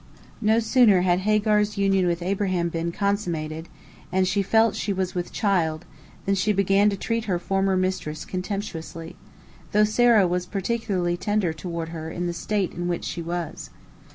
No sooner had Hagar's union with Abraham been consummated, and she felt that she was with child, than she began to treat her former mistress contemptuously, though Sarah was particularly tender toward her in the state in which she was.